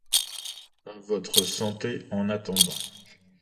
À votre santé, en attendant!